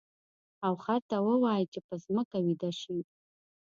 او خر ته ووایه چې په ځمکه ویده شي.